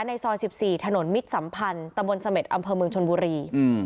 ซอย๑๔ถนนมิตรสัมพันธ์ตะบนเสม็ดอำเภอเมืองชนบุรี